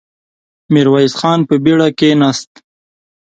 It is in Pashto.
ميرويس خان په بېړه کېناست.